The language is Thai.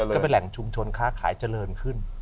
ก็เป็นแหล่งชุมชนค้าขายเจริญขึ้น